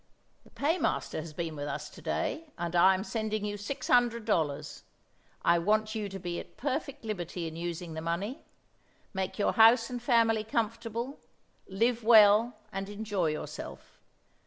"The paymaster has been with us to day, and I am sending you six hundred dollars. I want you to be at perfect liberty in using the money. Make your house and family comfortable, live well and enjoy yourself.